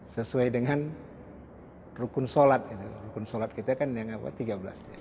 sesuai dengan rukun sholat rukun sholat kita kan yang apa tiga belas